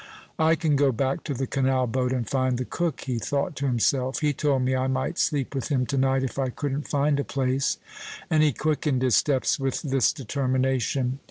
"I can go back to the canal boat, and find the cook," he thought to himself. "He told me I might sleep with him to night if I couldn't find a place;" and he quickened his steps with this determination.